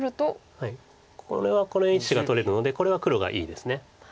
これはこの１子が取れるのでこれは黒がいいです。